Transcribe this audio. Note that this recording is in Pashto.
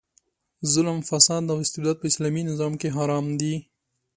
ظلم، فساد او استبداد په اسلامي نظام کې حرام دي.